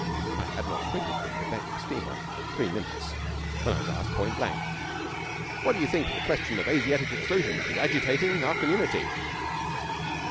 I had not quitted the Quebec steamer three minutes when I was asked point blank: 'What do you think of the question of Asiatic Exclusion which is Agitating our Community?'